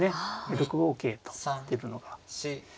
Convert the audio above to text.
６五桂と打てるのが。